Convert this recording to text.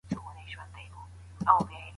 توري په ماشین کې تر سترګو ښه لیدل کیږي.